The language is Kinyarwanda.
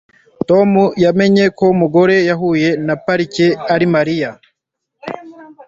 Tom yaje kumenya ko umugore yahuye na parike ari Mariya